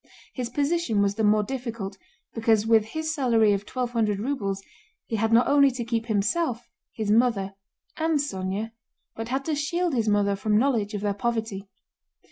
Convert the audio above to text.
His position was the more difficult because with his salary of twelve hundred rubles he had not only to keep himself, his mother, and Sónya, but had to shield his mother from knowledge of their poverty.